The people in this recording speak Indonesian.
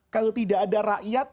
kalau tidak ada rakyat